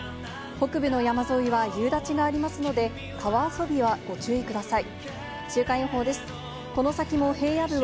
北部の山沿いは夕立がありますので、川遊びはご注意ください。